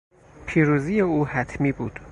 پیروزی او حتمی بود.